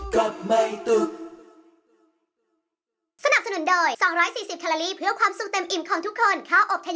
กลับไม่ตุ๊ก